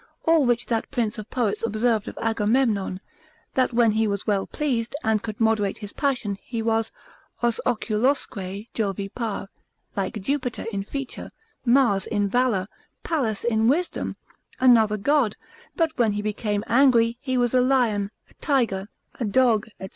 All which that prince of poets observed of Agamemnon, that when he was well pleased, and could moderate his passion, he was—os oculosque Jovi par: like Jupiter in feature, Mars in valour, Pallas in wisdom, another god; but when he became angry, he was a lion, a tiger, a dog, &c.